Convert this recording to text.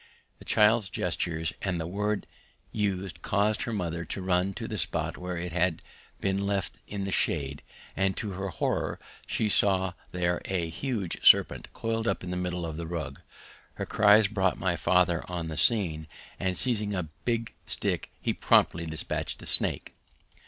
The child's gestures and the word it used caused her mother to run to the spot where it had been left in the shade, and to her horror she saw there a huge serpent coiled up in the middle of the rug. Her cries brought my father on the scene, and seizing a big stick he promptly dispatched the snake.